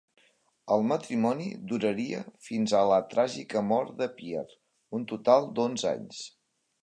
El matrimoni duraria, fins a la tràgica mort de Pierre, un total d'onze anys.